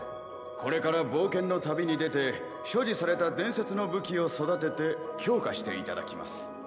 これから冒険の旅に出て所持された伝説の武器を育てて強化していただきます。